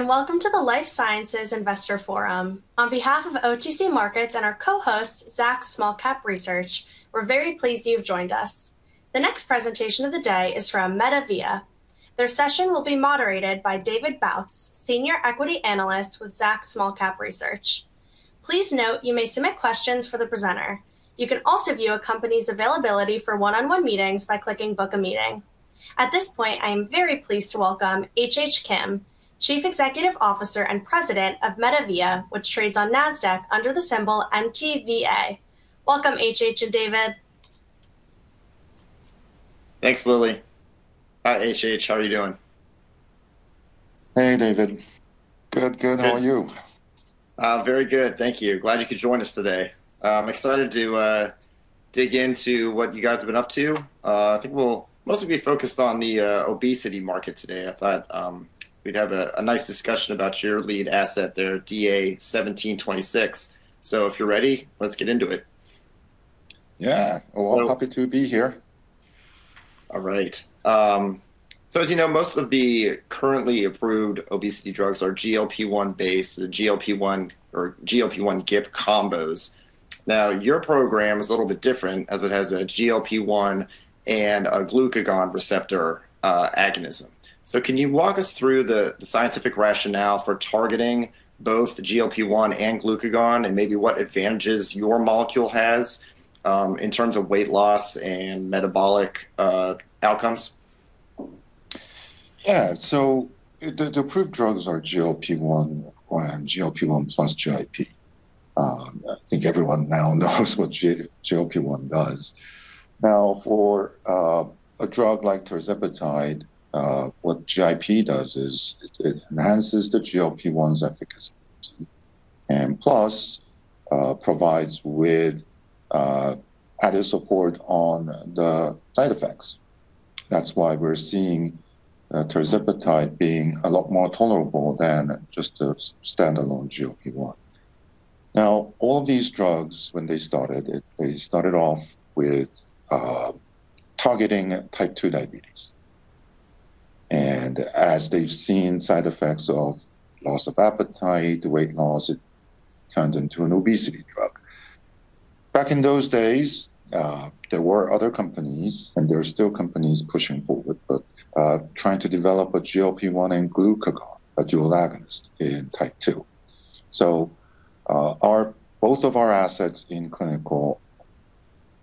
Welcome to the Life Sciences Investor Forum. On behalf of OTC Markets and our co-host, Zacks Small Cap Research, we're very pleased you've joined us. The next presentation of the day is from MetaVia. Their session will be moderated by David Bautz, Senior Equity Analyst with Zacks Small Cap Research. Please note you may submit questions for the presenter. You can also view a company's availability for one-on-one meetings by clicking Book a Meeting. At this point, I am very pleased to welcome H.H. Kim, Chief Executive Officer and President of MetaVia, which trades on Nasdaq under the symbol MTVA. Welcome, H.H. and David. Thanks, Lily. Hi, H.H. How are you doing? Hey, David. Good, good. How are you? Very good, thank you. Glad you could join us today. Excited to dig into what you guys have been up to. I think we'll mostly be focused on the obesity market today. I thought we'd have a nice discussion about your lead asset there, DA-1726. If you're ready, let's get into it. Yeah. Well, happy to be here. All right. As you know, most of the currently approved obesity drugs are GLP-1 based or GLP-1 GIP combos. Now, your program is a little bit different as it has a GLP-1 and a glucagon receptor agonism. Can you walk us through the scientific rationale for targeting both GLP-1 and glucagon and maybe what advantages your molecule has in terms of weight loss and metabolic outcomes? Yeah. The approved drugs are GLP-1 and GLP-1 plus GIP. I think everyone now knows what GLP-1 does. Now, for a drug like tirzepatide, what GIP does is it enhances the GLP-1's efficacy and plus provides with added support on the side effects. That's why we're seeing tirzepatide being a lot more tolerable than just a standalone GLP-1. Now, all these drugs, they started off with targeting type 2 diabetes. As they've seen side effects of loss of appetite, weight loss, it turned into an obesity drug. Back in those days, there were other companies, and there are still companies pushing forward, but trying to develop a GLP-1 and glucagon dual agonist in type 2. Our Both of our assets in clinical.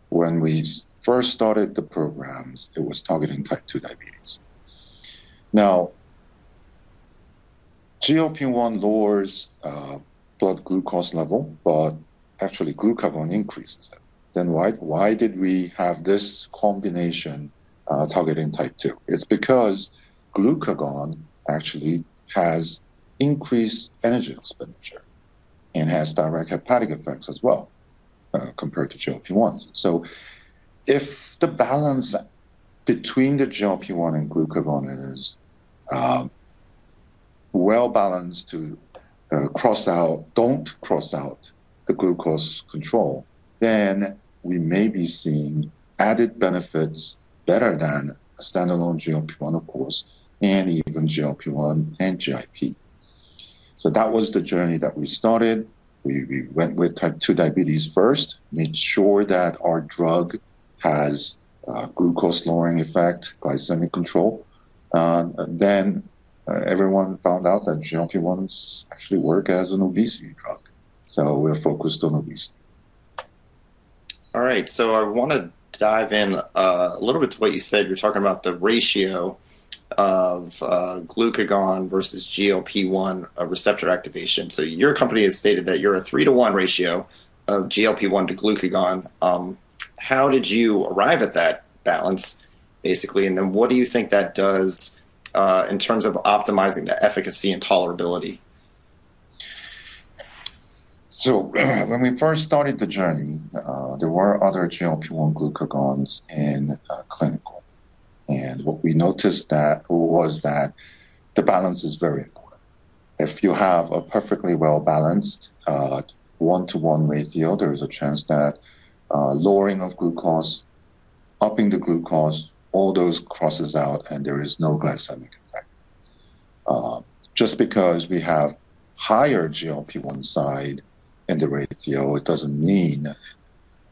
When we first started the programs, it was targeting type 2 diabetes. Now, GLP-1 lowers blood glucose level, but actually glucagon increases it. Why did we have this combination targeting Type 2? It's because glucagon actually has increased energy expenditure and has direct hepatic effects as well compared to GLP-1s. If the balance between the GLP-1 and glucagon is well-balanced to not cross out the glucose control, then we may be seeing added benefits better than a standalone GLP-1, of course, and even GLP-1 and GIP. That was the journey that we started. We went with type 2 diabetes first, made sure that our drug has a glucose-lowering effect, glycemic control. Everyone found out that GLP-1s actually work as an obesity drug. We're focused on obesity. All right. I wanna dive in, a little bit to what you said. You're talking about the ratio of, glucagon versus GLP-1 receptor activation. Your company has stated that you're a 3-to-1 ratio of GLP-1 to glucagon. How did you arrive at that balance, basically, and then what do you think that does, in terms of optimizing the efficacy and tolerability? When we first started the journey, there were other GLP-1 glucagons in clinical. What we noticed that was that the balance is very important. If you have a perfectly well-balanced, 1-to-1 ratio, there is a chance that, lowering of glucose, upping the glucose, all those crosses out and there is no glycemic effect. Just because we have higher GLP-1 side in the ratio, it doesn't mean,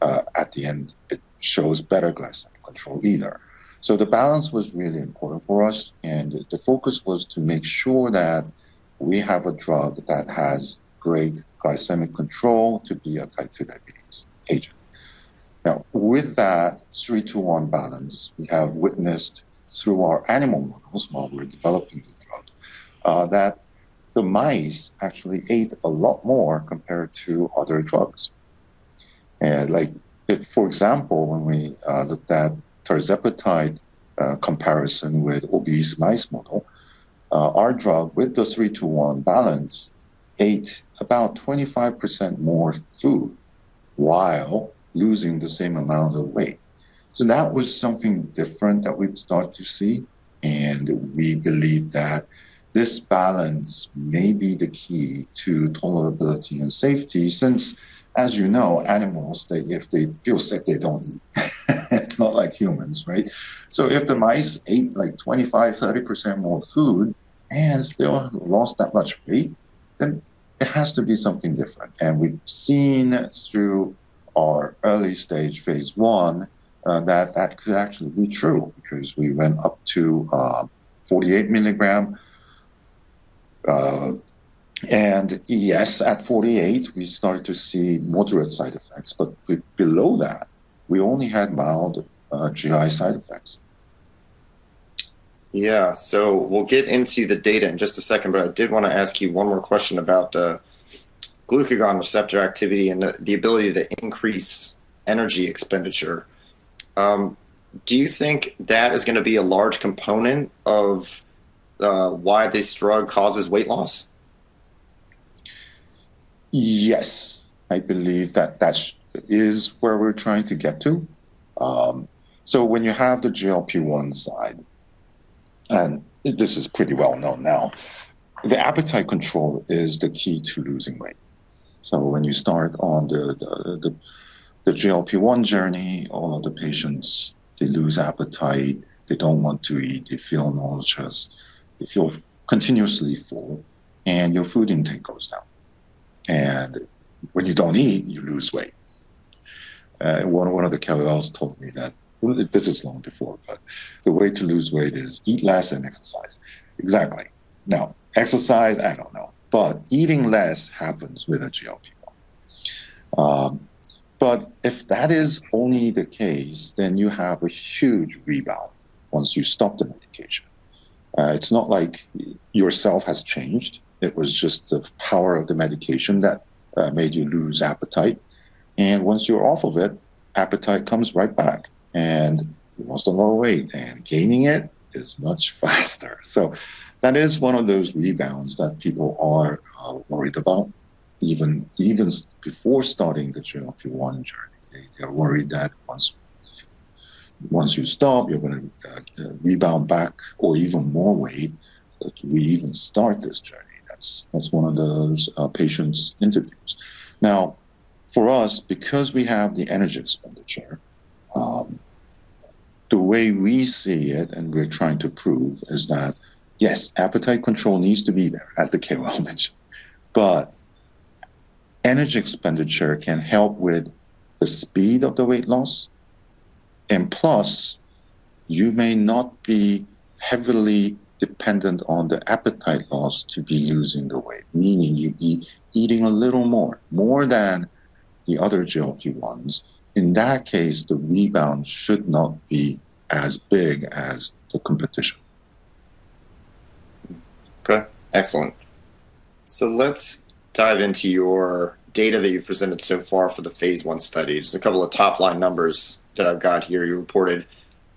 at the end it shows better glycemic control either. The balance was really important for us, and the focus was to make sure that we have a drug that has great glycemic control to be a type 2 diabetes agent. Now, with that 3-to-1 balance, we have witnessed through our animal models while we're developing the drug, that the mice actually ate a lot more compared to other drugs. Like if, for example, when we looked at tirzepatide comparison with obese mice model, our drug with the three-to-one balance ate about 25% more food while losing the same amount of weight. That was something different that we'd start to see, and we believe that this balance maybe the key to tolerability and safety since, as you know, animals if they feel sick, they don't eat. It's not like humans, right? If the mice ate, like, 25-30% more food and still lost that much weight, then it has to be something different. We've seen through our early stage phase I that that could actually be true, because we went up to 48 mg. Yes, at 48 mg we started to see moderate side effects, but below that we only had mild GI side effects. We'll get into the data in just a second, but I did wanna ask you one more question about the glucagon receptor activity and the ability to increase energy expenditure. Do you think that is gonna be a large component of why this drug causes weight loss? Yes. I believe that is where we're trying to get to. When you have the GLP-1 side, and this is pretty well known now, the appetite control is the key to losing weight. When you start on the GLP-1 journey, all of the patients lose appetite, they don't want to eat, they feel nauseous. They feel continuously full, and your food intake goes down. When you don't eat, you lose weight. One of the KOLs told me that, well, this is long before, but the way to lose weight is eat less and exercise. Exactly. Now, exercise, I don't know, but eating less happens with a GLP-1. If that is only the case, then you have a huge rebound once you stop the medication. It's not like yourself has changed, it was just the power of the medication that made you lose appetite. Once you're off of it, appetite comes right back, and you lost a lot of weight, and gaining it is much faster. That is one of those rebounds that people are worried about even before starting the GLP-1 journey. They're worried that once you stop, you're gonna rebound back or even more weight than we even start this journey. That's one of those patients interviews. Now, for us, because we have the energy expenditure, the way we see it and we're trying to prove is that, yes, appetite control needs to be there, as the KOL mentioned, but energy expenditure can help with the speed of the weight loss. Plus, you may not be heavily dependent on the appetite loss to be losing the weight, meaning you eat a little more than the other GLP-1s. In that case, the rebound should not be as big as the competition. Okay. Excellent. Let's dive into your data that you've presented so far for the phase I study. Just a couple of top-line numbers that I've got here. You reported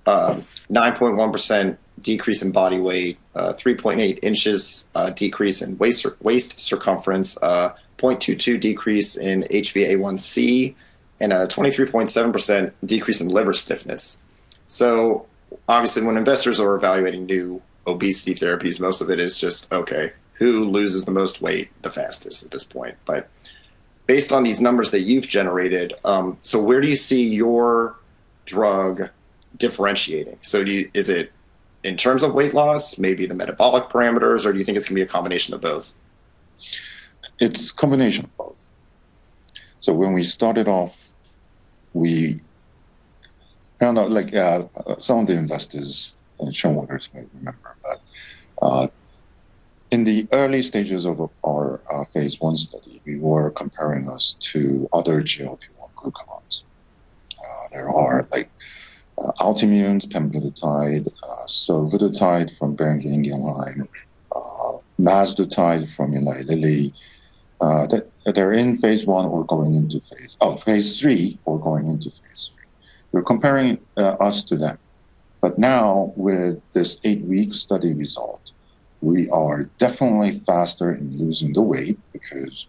9.1% decrease in body weight, 3.8 inches decrease in waist circumference, 0.22 decrease in HbA1c, and a 23.7% decrease in liver stiffness. Obviously, when investors are evaluating new obesity therapies, most of it is just, "Okay, who loses the most weight the fastest at this point?" Based on these numbers that you've generated, where do you see your drug differentiating? Is it in terms of weight loss, maybe the metabolic parameters, or do you think it's gonna be a combination of both? It's combination of both. When we started off, some of the investors and shareholders may remember, but in the early stages of our phase I study, we were comparing us to other GLP-1 glucagons. There are like Altimmune's pemvidutide, survodutide from Boehringer Ingelheim, mazdutide from Eli Lilly that are in phase I or going into phase III. We're comparing us to them. Now with this eight week study result, we are definitely faster in losing the weight because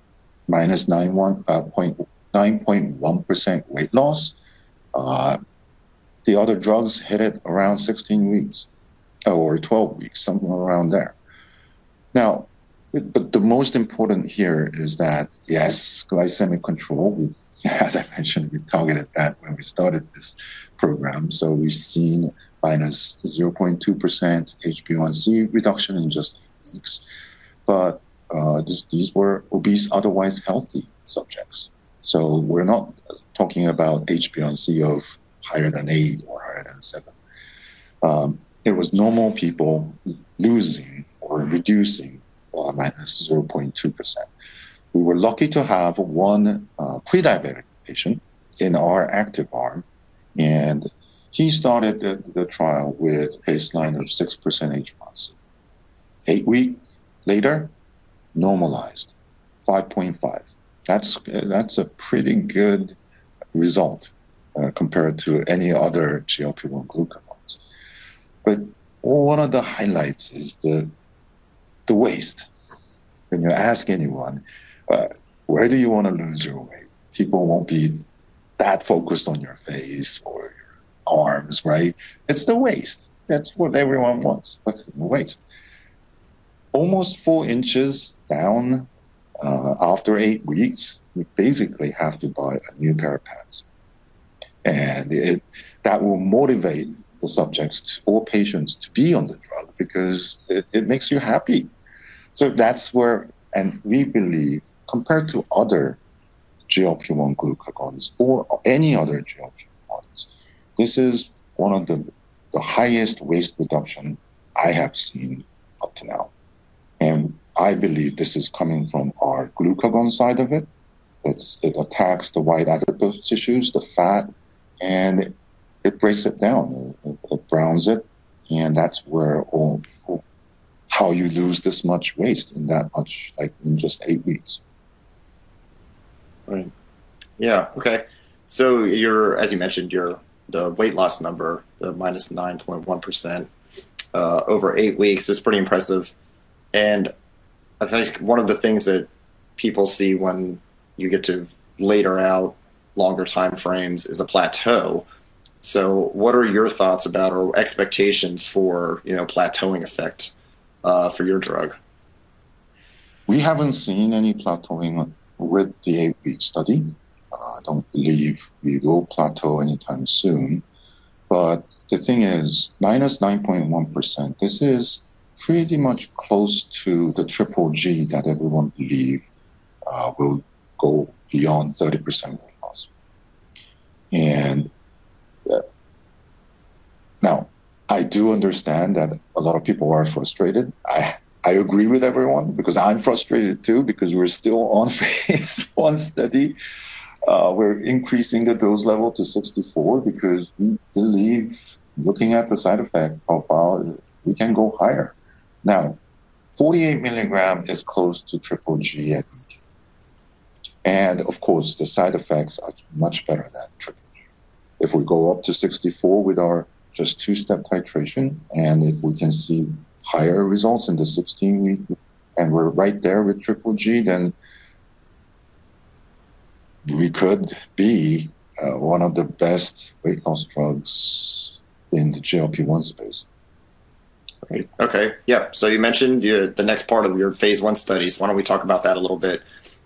-9.1% weight loss. The other drugs hit it around 16 weeks or 12 weeks, somewhere around there. Now, the most important here is that, yes, glycemic control, we as I mentioned, we targeted that when we started this program, so we've seen -0.2% HbA1c reduction in just eight weeks. These were obese otherwise healthy subjects. We're not talking about HbA1c of higher than eight or higher than seven. It was normal people losing or reducing -0.2%. We were lucky to have one pre-diabetic patient in our active arm, and he started the trial with baseline of 6% HbA1c. eight weeks later, normalized 5.5. That's a pretty good result compared to any other GLP-1 glucagons. One of the highlights is the waist. When you ask anyone, "Where do you wanna lose your weight?" People won't focus on your face or your arms, right? It's the waist. That's what everyone wants with the waist. Almost 4 inches down after eight weeks, you basically have to buy a new pair of pants. That will motivate the subjects or patients to be on the drug because it makes you happy. That's where we believe compared to other GLP-1 glucagons or any other GLP products, this is one of the highest waist reduction I have seen up to now. I believe this is coming from our glucagon side of it. It attacks the white adipose tissues, the fat, and it breaks it down. It browns it, and that's where all people, how you lose this much weight in that much, like, in just eight weeks. Right. Yeah. Okay. As you mentioned, the weight loss number, the -9.1% over eight weeks is pretty impressive. I think one of the things that people see when you get to later or longer time frames is a plateau. What are your thoughts about or expectations for, you know, plateauing effect for your drug? We haven't seen any plateauing with the eight week study. I don't believe we will plateau anytime soon. The thing is, -9.1%, this is pretty much close to the Triple G that everyone believe will go beyond 30% weight loss. Now I do understand that a lot of people are frustrated. I agree with everyone because I'm frustrated too because we're still on phase I study. We're increasing the dose level to 64 because we believe looking at the side effect profile, we can go higher. Now 48 mg is close to Triple G at eight week. Of course, the side effects are much better than Triple G. If we go up to 64 with our just two-step titration, and if we can see higher results in the 16-week, and we're right there with Triple G, then we could be one of the best weight loss drugs in the GLP-1 space. Great. Okay. Yeah. You mentioned the next part of your phase I studies. Why don't we talk about that a little bit?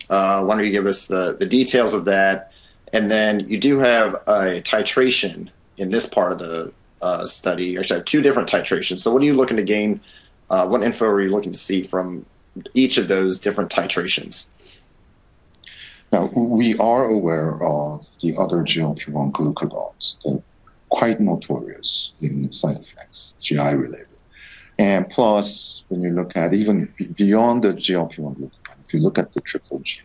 Why don't you give us the details of that? You do have a titration in this part of the study or sorry, two different titrations. What are you looking to gain? What info are you looking to see from each of those different titrations? Now we are aware of the other GLP-1 glucagons. They're quite notorious in side effects, GI related. When you look at even beyond the GLP-1 glucagon, if you look at the Triple G,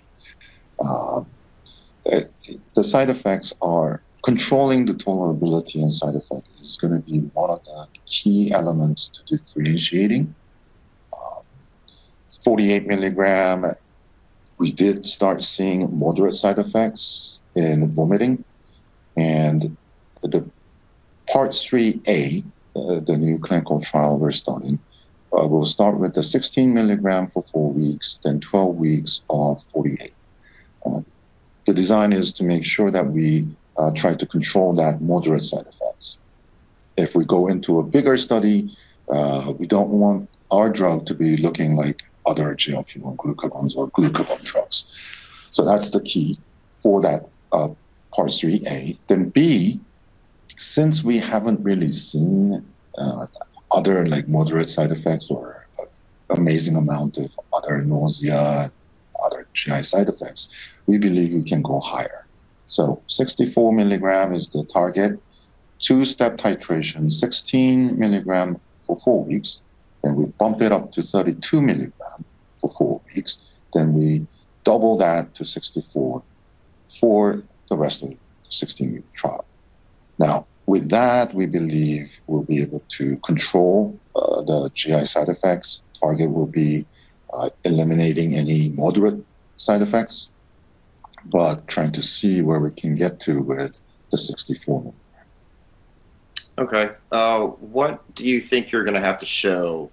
the side effects are controlling the tolerability and side effects. This is gonna be one of the key elements to differentiating. 48 mg, we did start seeing moderate side effects in vomiting. The phase III-A, the new clinical trial we're starting, will start with the 16 mg for four weeks, then 12 weeks of 48. The design is to make sure that we try to control that moderate side effects. If we go into a bigger study, we don't want our drug to be looking like other GLP-1 glucagons or glucagon drugs. That's the key for that phase III-A. Since we haven't really seen other like moderate side effects or amazing amount of other nausea, other GI side effects, we believe we can go higher. 64 mg is the target. Two-step titration, 16 mg for four weeks, then we bump it up to 32 mg for four weeks, then we double that to 64 for the rest of the 16-week trial. Now with that, we believe we'll be able to control the GI side effects. Target will be eliminating any moderate side effects, but trying to see where we can get to with the 64 mg. Okay. What do you think you're gonna have to show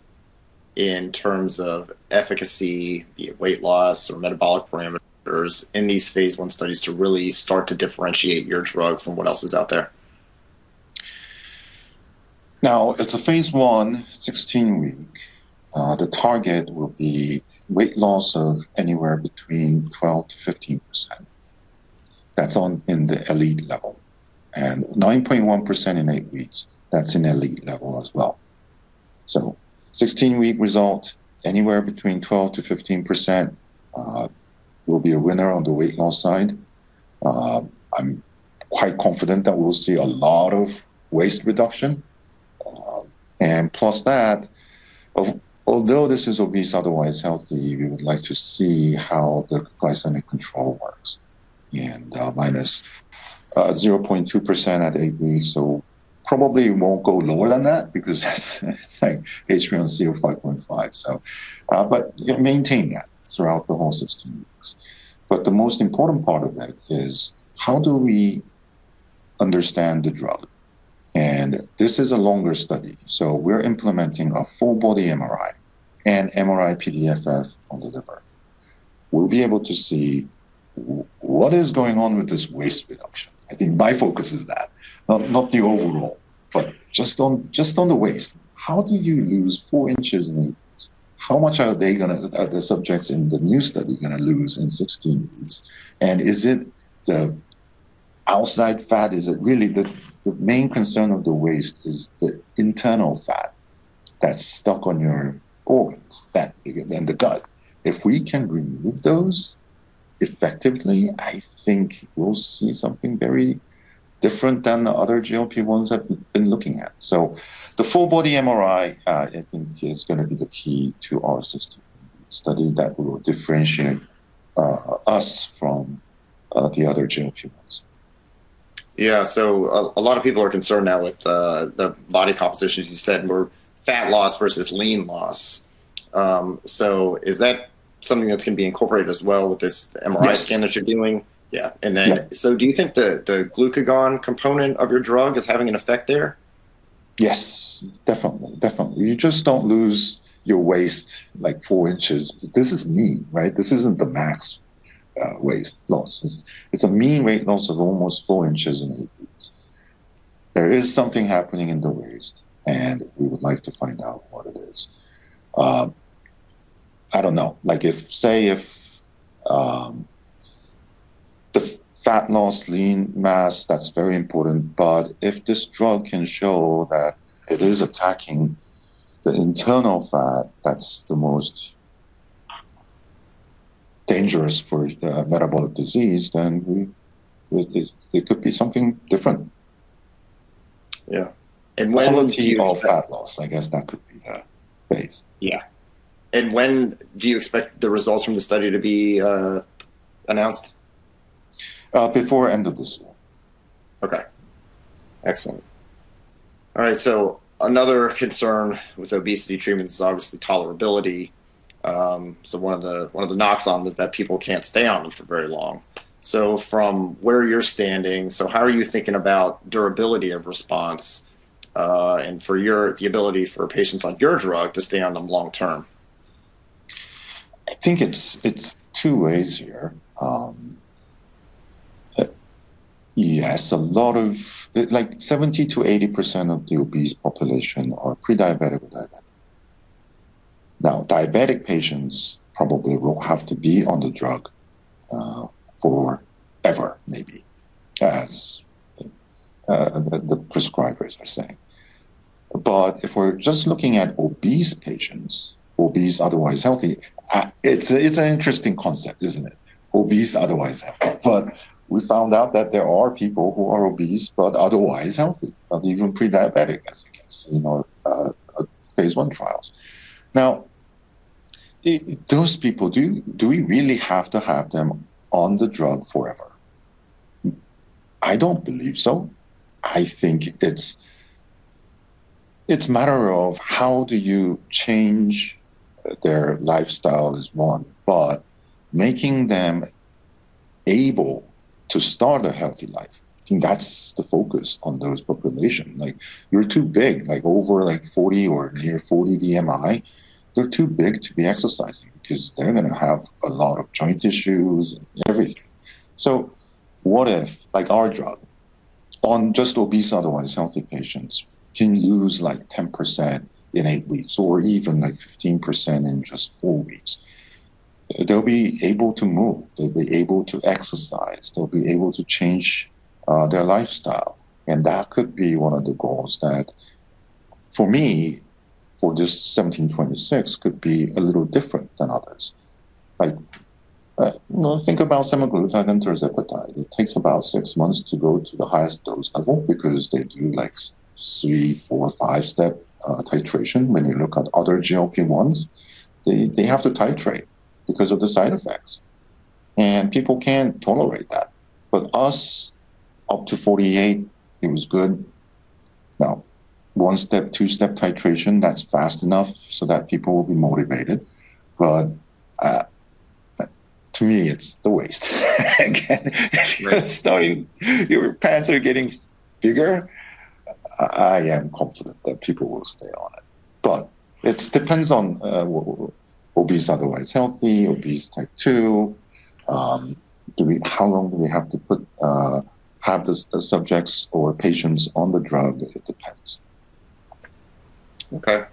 in terms of efficacy, be it weight loss or metabolic parameters in these phase I studies to really start to differentiate your drug from what else is out there? Now it's a phase I, 16-week. The target will be weight loss of anywhere between 12%-15%. That's an elite level. Nine point one percent in 8 weeks, that's an elite level as well. Sixteen-week result, anywhere between 12%-15%, will be a winner on the weight loss side. I'm quite confident that we'll see a lot of waist reduction. Although this is obese otherwise healthy, we would like to see how the glycemic control works and minus 0.2% at 8 weeks. Probably won't go lower than that because it's like HbA1c of 5.5. But maintain that throughout the whole 16 weeks. The most important part of that is how do we understand the drug. This is a longer study, so we're implementing a full body MRI and MRI-PDFF on the liver. We'll be able to see what is going on with this waist reduction. I think my focus is that. Not the overall, but just on the waist. How do you lose four inches in eight weeks? How much are the subjects in the new study gonna lose in 16 weeks? Is it the outside fat? Is it really the main concern of the waist is the internal fat that's stuck on your organs and the gut. If we can remove those effectively, I think we'll see something very different than the other GLP-1s I've been looking at. The full body MRI, I think, is gonna be the key to our system study that will differentiate us from the other GLP-1s. Yeah. A lot of people are concerned now with the body composition, as you said, more fat loss versus lean loss. Is that something that's gonna be incorporated as well with this MRI? Yes Scan that you're doing? Yeah. Yeah. Do you think the glucagon component of your drug is having an effect there? Yes. Definitely. You just don't lose your waist like four inches. This is me, right? This isn't the max, waist loss. It's a mean weight loss of almost four inches in eight weeks. There is something happening in the waist, and we would like to find out what it is. I don't know. Like if, say if, the fat loss, lean mass, that's very important, but if this drug can show that it is attacking the internal fat, that's the most dangerous for, metabolic disease, then we, it could be something different. Yeah. When will you? Quality of fat loss, I guess that could be the phrase. Yeah. When do you expect the results from the study to be announced? Before end of this year. Okay. Excellent. All right, another concern with obesity treatment is obviously tolerability. One of the knocks on them is that people can't stay on them for very long. From where you're standing, how are you thinking about durability of response, and the ability for patients on your drug to stay on them long term? I think it's two ways here. Yes, a lot of like 70%-80% of the obese population are pre-diabetic or diabetic. Now, diabetic patients probably will have to be on the drug forever maybe, as the prescribers are saying. If we're just looking at obese patients, obese otherwise healthy, it's an interesting concept, isn't it? Obese otherwise healthy. We found out that there are people who are obese but otherwise healthy, but even pre-diabetic, as you can see in our phase I trials. Now those people, do we really have to have them on the drug forever? I don't believe so. I think it's matter of how do you change their lifestyle is one, but making them able to start a healthy life. I think that's the focus on those population. Like, you're too big, like over like 40 or near 40 BMI, they're too big to be exercising because they're gonna have a lot of joint issues and everything. What if, like our drug, on just obese otherwise healthy patients can lose like 10% in eight weeks or even like 15% in just four weeks. They'll be able to move. They'll be able to exercise. They'll be able to change their lifestyle. That could be one of the goals that for me, for just DA-1726 could be a little different than others. Like, you know, think about semaglutide and tirzepatide. It takes about six months to go to the highest dose level because they do like three, four, five step titration. When you look at other GLP-1s, they have to titrate because of the side effects, and people can't tolerate that. As up to 48, it was good. Now 1 step, 2 step titration, that's fast enough so that people will be motivated. To me, it's the waist. Again. Right If you're starting, your pants are getting bigger. I am confident that people will stay on it. It depends on obese otherwise healthy, obese type 2, how long do we have to have the subjects or patients on the drug? It depends. Okay.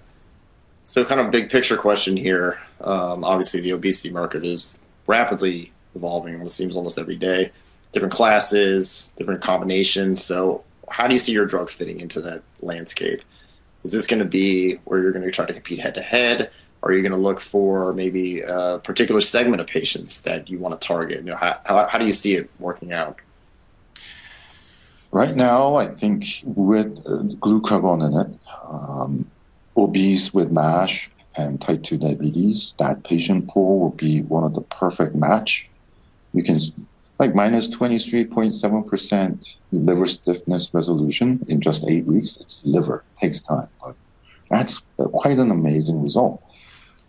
Kind of big picture question here. Obviously the obesity market is rapidly evolving, it seems almost every day, different classes, different combinations. How do you see your drug fitting into that landscape? Is this gonna be where you're gonna be trying to compete head to head? Are you gonna look for maybe a particular segment of patients that you wanna target? You know, how do you see it working out? Right now, I think with glucagon in it, obese with MASH and type 2 diabetes, that patient pool will be one of the perfect match. You can like minus 23.7% liver stiffness resolution in just eight weeks. It's liver. It takes time, but that's quite an amazing result.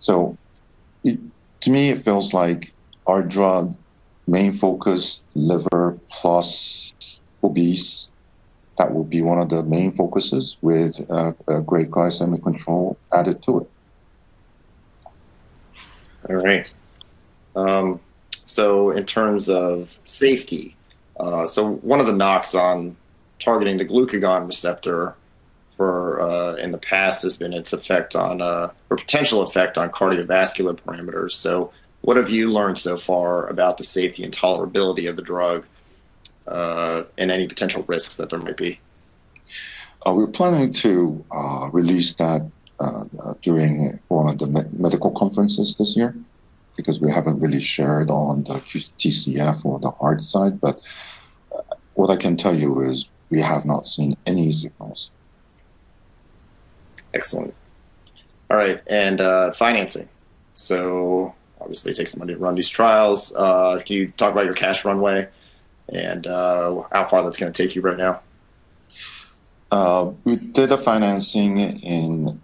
To me it feels like our drug main focus liver plus obese. That will be one of the main focuses with a great glycemic control added to it. All right. In terms of safety, one of the knocks on targeting the glucagon receptor for in the past has been its effect on, or potential effect on cardiovascular parameters. What have you learned so far about the safety and tolerability of the drug, and any potential risks that there might be? We're planning to release that during one of the medical conferences this year because we haven't really shared on the CV or the heart side, but what I can tell you is we have not seen any signals. Excellent. All right. Financing. Obviously it takes some money to run these trials. Can you talk about your cash runway and how far that's gonna take you right now? We did a financing in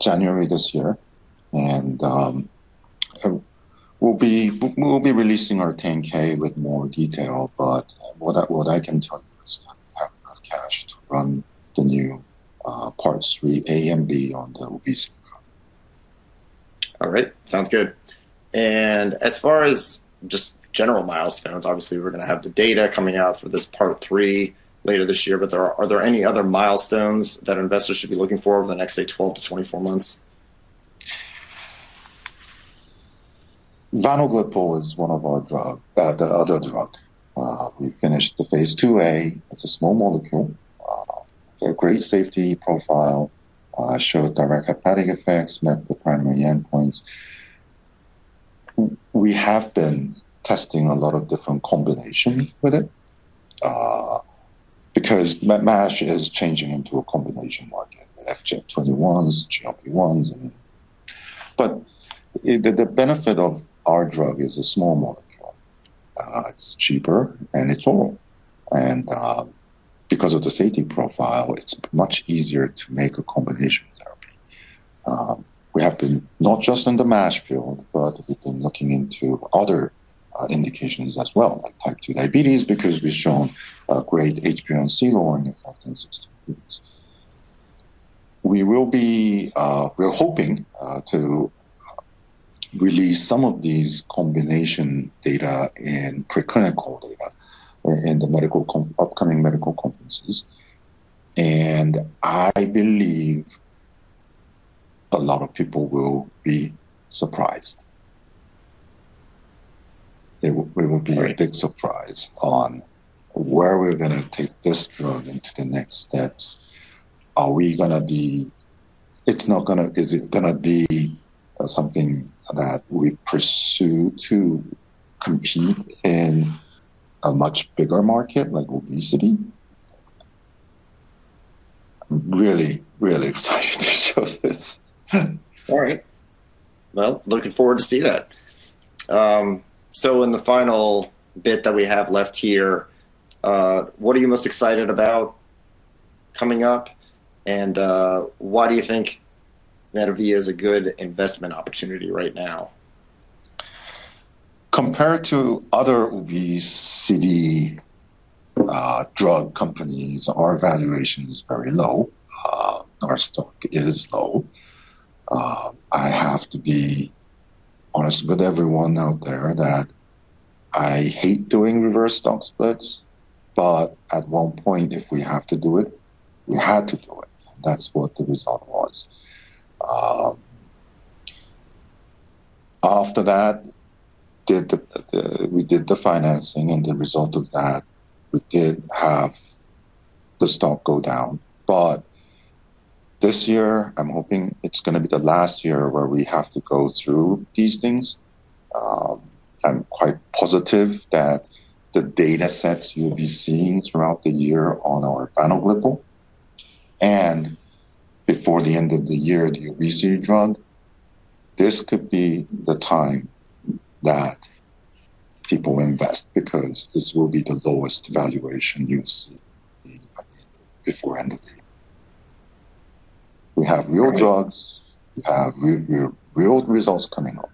January this year, and we'll be releasing our Form 10-K with more detail, but what I can tell you is that we have enough cash to run the new parts A and B on the obesity trial. All right. Sounds good. As far as just general milestones, obviously we're gonna have the data coming out for this part three later this year, but are there any other milestones that investors should be looking for over the next say, 12 to 24 months? Vanoglipel is one of our drug, the other drug. We finished the phase II-A. It's a small molecule. A great safety profile showed direct hepatic effects, met the primary endpoints. We have been testing a lot of different combination with it, because MASH is changing into a combination market. FGF21s, GLP-1s. The benefit of our drug is a small molecule. It's cheaper and it's oral. Because of the safety profile, it's much easier to make a combination therapy. We have been not just in the MASH field, but we've been looking into other indications as well like type 2 diabetes, because we've shown a great HbA1c lowering effect in 16 weeks. We are hoping to release some of these combination data and preclinical data in upcoming medical conferences, and I believe a lot of people will be surprised. We will be Great a big surprise on where we're gonna take this drug into the next steps. Is it gonna be something that we pursue to compete in a much bigger market like obesity? I'm really, really excited to show this. All right. Well, looking forward to see that. In the final bit that we have left here, what are you most excited about coming up, and why do you think MetaVia is a good investment opportunity right now? Compared to other obesity drug companies, our valuation is very low. Our stock is low. I have to be honest with everyone out there that I hate doing reverse stock splits, but at one point, if we have to do it, we had to do it. That's what the result was. After that, we did the financing and the result of that, we did have the stock go down. This year I'm hoping it's gonna be the last year where we have to go through these things. I'm quite positive that the data sets you'll be seeing throughout the year on our Vanoglipel and before the end of the year, the obesity drug, this could be the time that people invest because this will be the lowest valuation you'll see at the end, before end of the year. We have new drugs. We have new results coming up.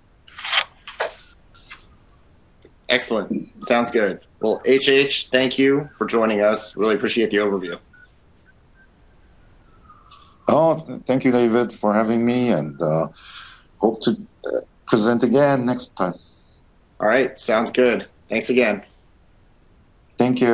Excellent. Sounds good. Well, Hyung Heon Kim, thank you for joining us. Really appreciate the overview. Oh, thank you, David, for having me, and hope to present again next time. All right. Sounds good. Thanks again. Thank you.